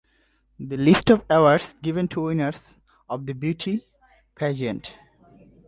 The list of awards given to winners of the beauty pageant.